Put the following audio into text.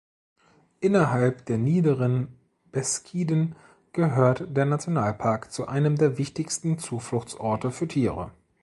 Innerhalb der Niederen Beskiden gehört der Nationalpark zu einem der wichtigsten Zufluchtsorte für Tiere.